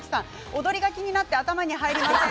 踊りが気になって頭に入りません。